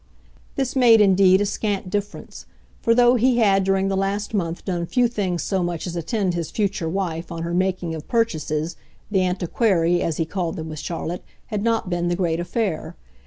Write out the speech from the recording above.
This made indeed a scant difference, for though he had during the last month done few things so much as attend his future wife on her making of purchases, the antiquarii, as he called them with Charlotte, had not been the great affair.